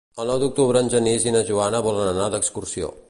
El nou d'octubre en Genís i na Joana volen anar d'excursió.